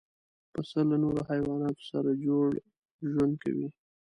پسه له نورو حیواناتو سره جوړ ژوند کوي.